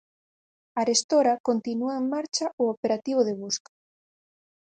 Arestora continúa en marcha o operativo de busca.